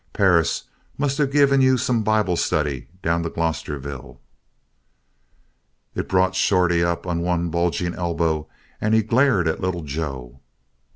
Perris must of give you some Bible study down to Glosterville." It brought Shorty up on one bulging elbow and he glared at Little Joe.